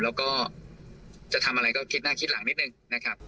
แล้วก็จะทำอะไรก็คิดหน้าคิดหลังนิดนึงนะครับ